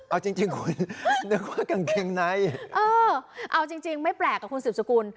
เอาจริงคุณนึกว่ากางเกงในเออเอาจริงไม่แปลกกับคุณสืบสกุล